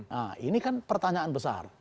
nah ini kan pertanyaan besar